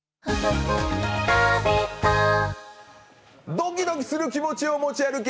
ドキドキする気持ちを持ち歩け！